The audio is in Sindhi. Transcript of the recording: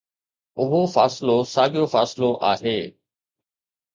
اهو فاصلو ساڳيو فاصلو آهي